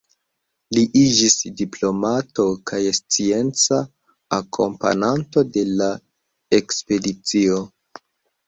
Li iĝis diplomato kaj scienca akompananto de la ekspedicio.